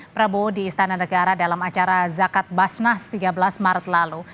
prabowo di istana negara dalam acara zakat basnas tiga belas maret lalu